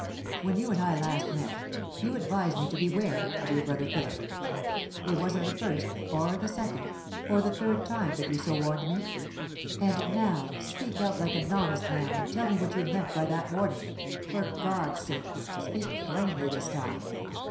When you and I last met, you advised me to beware of your brother Philip. It wasn't the first, or the second, or the third time that you so warned me. And now speak out like an honest man, and tell me what you meant by that warning? For God's sake, speak plainly this time."